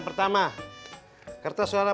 eh belum sah